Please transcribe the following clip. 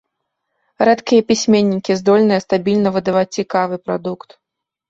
Рэдкія пісьменнікі здольныя стабільна выдаваць цікавы прадукт.